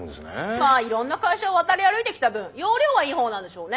まあいろんな会社を渡り歩いてきた分要領はいいほうなんでしょうね。